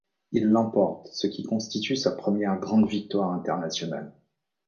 Il l'emporte, ce qui constitue sa première grande victoire internationale.